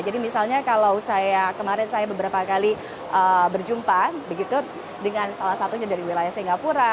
jadi misalnya kalau saya kemarin saya beberapa kali berjumpa begitu dengan salah satunya dari wilayah singapura